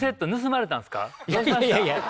いやいや。